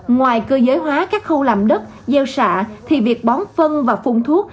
ngoài cơ giới hóa các khâu làm đất gieo xạ thì việc bón phân và phun thuốc